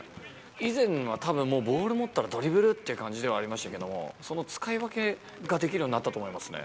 以前はたぶん、もうボール持ったら、ドリブルって感じではありましたけども、その使い分けができるようになったと思いますね。